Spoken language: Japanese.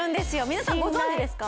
皆さんご存じですか？